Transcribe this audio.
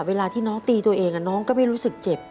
เวลาที่น้องตีตัวเองน้องก็ไม่รู้สึกเจ็บ